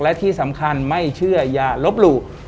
และที่สำคัญไม่เชื่ออย่าลบหลู่